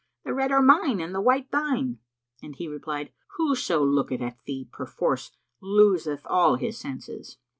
The red are mine and the white thine;" and he replied, "Whoso looketh at thee perforce loseth all his senses."